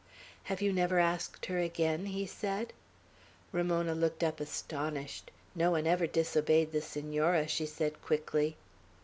"Have you never asked her again?" he said. Ramona looked up astonished. "No one ever disobeyed the Senora," she said quickly.